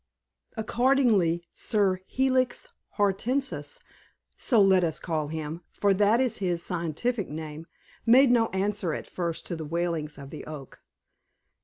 Accordingly, Sir Helix Hortensis so let us call him, for that is his scientific name made no answer at first to the wailings of the Oak.